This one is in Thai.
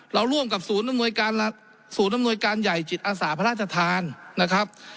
ร่วมกับศูนย์อำนวยการศูนย์อำนวยการใหญ่จิตอาสาพระราชทานนะครับ